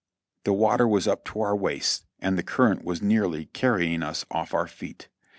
The water was up to our waists, and the current was nearly carrying us off our feet.